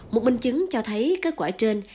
một minh chứng cho thấy kết quả trên